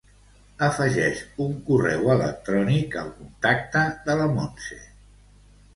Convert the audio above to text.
Afegeix un correu electrònic al contacte de la Montse.